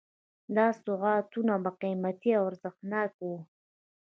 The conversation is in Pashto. دا سوغاتونه به قیمتي او ارزښتناک وو.